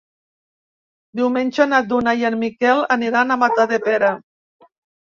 Diumenge na Duna i en Miquel aniran a Matadepera.